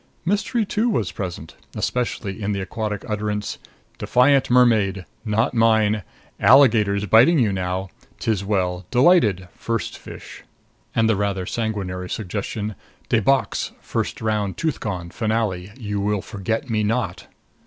Mystery, too, was present, especially in the aquatic utterance: DEFIANT MERMAID: Not mine. Alligators bitingu now. 'Tis well; delighted. FIRST FISH. And the rather sanguinary suggestion: DE Box: First round; tooth gone. Finale. You will FORGET ME NOT.